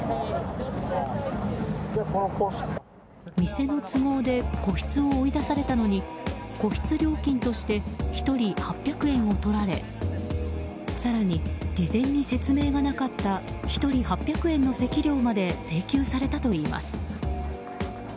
店の都合で個室を追い出されたのに個室料金として１人８００円を取られ更に事前に説明がなかった１人８００円の席料まで請求されたといいます。